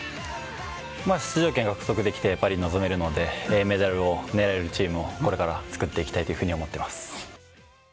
出場権獲得できて、パリに臨めるので、メダルを狙えるチームをこれから作っていきたいというふうに思っています。